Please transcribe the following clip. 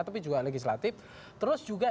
tapi juga legislatif terus juga